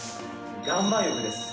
岩盤浴です。